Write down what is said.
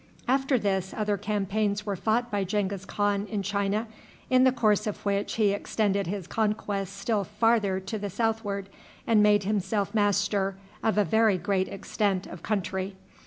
After this, other campaigns were fought by Genghis Khan in China, in the course of which he extended his conquests still farther to the southward, and made himself master of a very great extent of country.